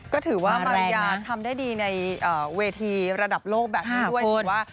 ก็ถือว่ามาริยาทำได้ดีในเวทีระดับโลกแบบนี้ด้วยถือว่า